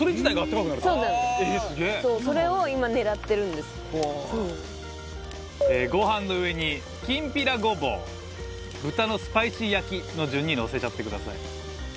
カズレーザー：ご飯の上にきんぴらごぼう豚のスパイシー焼きの順にのせちゃってください。